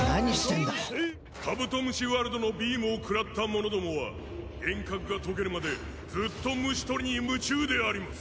カブトムシワルドのビームを食らった者どもは幻覚が解けるまでずっと虫捕りに夢中であります！